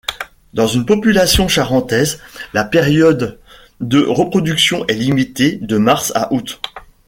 Dans une population charentaise la période de reproduction est limitée de mars à août.